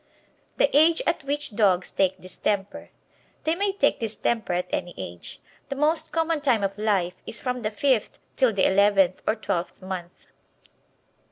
The Age at which Dogs take Distemper They may take distemper at any age; the most common time of life is from the fifth till the eleventh or twelfth month.